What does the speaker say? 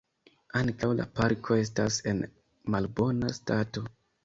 Ankaŭ la parko estas en malbona stato.